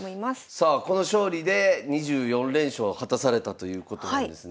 さあこの勝利で２４連勝を果たされたということなんですね。